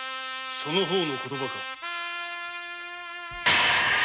その方の言葉か？